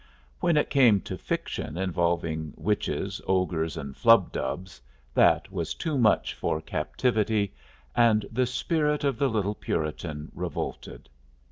When it came to fiction involving witches, ogres, and flubdubs, that was too much for Captivity, and the spirit of the little Puritan revolted.